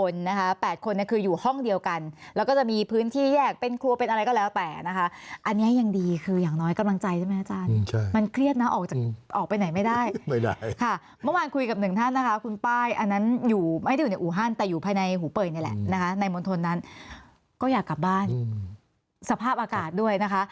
มันเครียดนะออกจากออกไปไหนไม่ได้อีกเดิมนะคะคุณป้ายอันนี้หูปเปิ๋ยในมนธนนั้นก็อยากกลับบ้านสภาพอากาศทุกคนนะคะ